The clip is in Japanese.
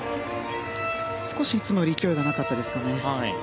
少しいつもより勢いがなかったですかね。